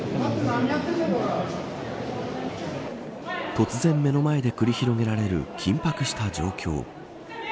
突然目の前で繰り広げられる緊迫した状況。